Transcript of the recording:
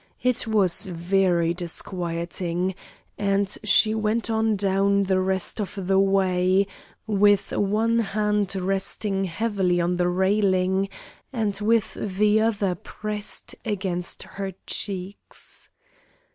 It was very disquieting, and she went on down the rest of the way with one hand resting heavily on the railing and with the other pressed against her cheeks.